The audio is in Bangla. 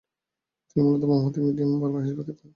তিনি মূলতঃ বামহাতি মিডিয়াম বোলার হিসেবে খেলতেন।